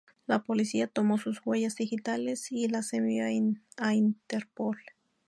La policía tomó sus huellas digitales y las envió a Interpol.